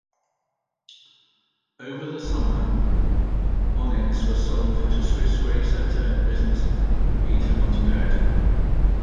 Over the summer Onyx were sold to Swiss racer turned businessman Peter Monteverdi.